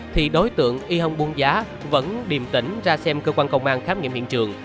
thì đối tượng y hong bung giá vẫn điềm tỉnh ra xem cơ quan công an khám nghiệm hiện trường